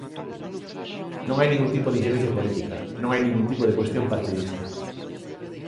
Non hai ningún tipo de inxerencia política, non hai ningún tipo de cuestión partidista.